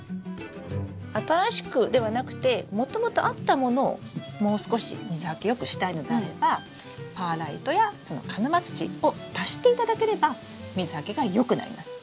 新しくではなくてもともとあったものをもう少し水はけよくしたいのであればパーライトや鹿沼土を足していただければ水はけがよくなります。